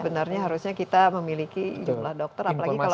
sebenarnya harusnya kita memiliki jumlah dokter